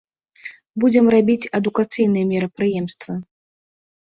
Будзем рабіць адукацыйныя мерапрыемствы.